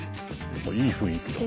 いい雰囲気だね。